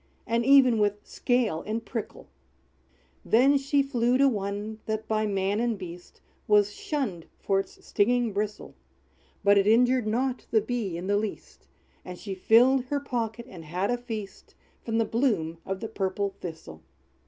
And even with scale and prickle!" Then she flew to one, that, by man and beast Was shunned for its stinging bristle; But it injured not the Bee in the least; And she filled her pocket, and had a feast, From the bloom of the purple Thistle.